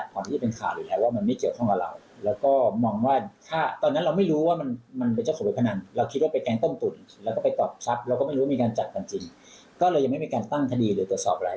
ก็เลยยังไม่มีการตั้งคดีหรือตรวจสอบอะไร